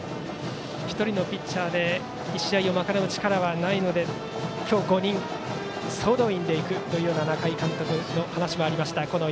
１人のピッチャーで１試合を賄う力はないので今日、５人総動員で行くという仲井監督の話もありました。